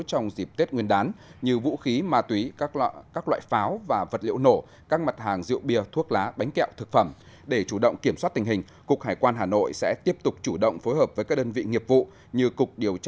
trong dịp tết nguyên đán hải quan hà nội sẽ tăng cường tuần tra kiểm soát trước trong và sau tết nguyên đán tân sỉu hai nghìn hai mươi một